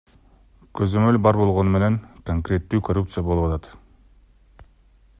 Көзөмөл бар болгону менен конкреттүү коррупция болуп атат.